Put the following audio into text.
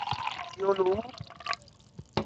Ńmjɔ́ eló wu.